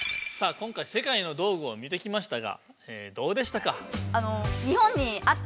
今回世界の道具を見てきましたがどうでしたか？